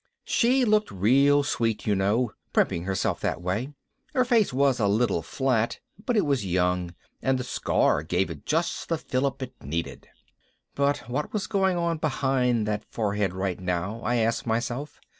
She looked real sweet, you know, primping herself that way. Her face was a little flat, but it was young, and the scar gave it just the fillip it needed. But what was going on behind that forehead right now, I asked myself?